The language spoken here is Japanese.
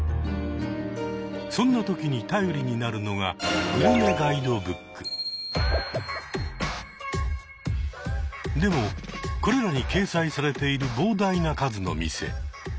そんなときに頼りになるのがでもこれらに掲載されている膨大な数の店。